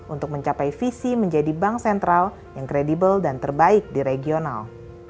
untuk mencapai visi menjadi bank sentral yang kredibel dan terbaik di regional